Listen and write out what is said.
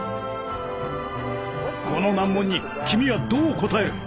この難問に君はどう答える。